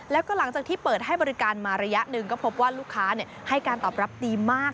แล้วก็หลังจากที่เปิดให้บริการมาระยะหนึ่งก็พบว่าลูกค้าให้การตอบรับดีมาก